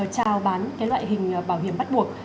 trao bán loại hình bảo hiểm bắt buộc